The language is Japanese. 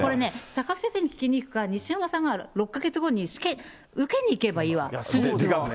高須先生に聞きに行くか、西山さんが６か月後に受けに行けばいいわ、手術を。